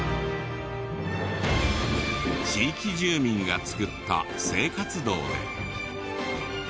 地域住民が造った生活道で。